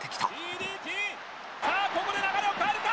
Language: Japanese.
さあここで流れを変えるか？